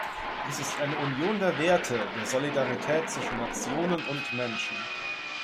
Dies ist eine Union der Werte, der Solidarität zwischen Nationen und Menschen.